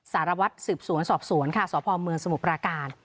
สารวัตรสืบสวนสอบสวนค่ะสพเมืองสมุทรปราการ